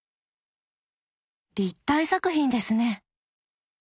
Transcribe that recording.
立体作品ですね。